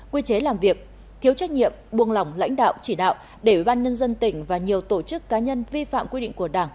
quy chế làm việc thiếu trách nhiệm buông lỏng lãnh đạo chỉ đạo để ủy ban nhân dân tỉnh và nhiều tổ chức cá nhân vi phạm quy định của đảng